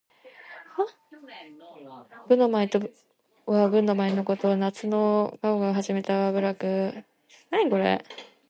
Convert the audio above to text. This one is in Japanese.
武の舞と文の舞のこと。夏の禹王が始めた舞楽。「干戚」はたてとまさかりを持って舞う、武の舞のこと。「羽旄」は雉の羽と旄牛の尾で作った飾りを持って舞う、文の舞の意。